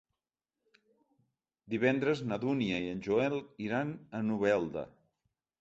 Divendres na Dúnia i en Joel iran a Novelda.